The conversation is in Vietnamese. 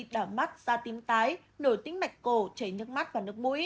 đỏ mắt da tím tái nổi tính mạch cổ chảy nước mắt và nước mũi